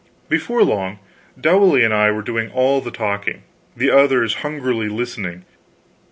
Before long, Dowley and I were doing all the talking, the others hungrily listening.